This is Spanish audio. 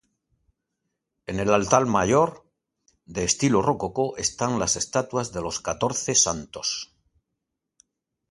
En el altar mayor, de estilo rococó, están las estatuas de los catorce santos.